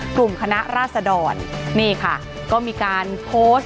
กลุ่มคณะราษดรนี่ค่ะก็มีการโพสต์